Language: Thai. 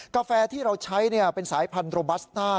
กาแฟที่เราใช้เป็นสายพันธโรบัสต้า